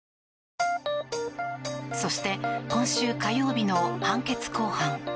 そして、今週火曜日の判決公判。